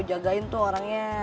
jagain tuh orangnya